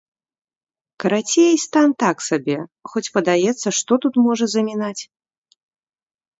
Карацей, стан так сабе, хоць падаецца, што тут можа замінаць?